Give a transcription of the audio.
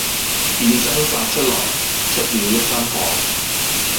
便掙扎出來，出了一身汗。